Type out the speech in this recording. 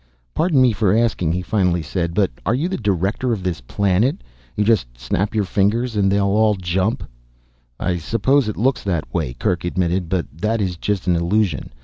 "Pardon me for asking," he finally said. "But are you the dictator of this planet? You just snap your fingers and they all jump." "I suppose it looks that way," Kerk admitted. "But that is just an illusion.